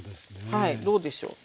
はいどうでしょう。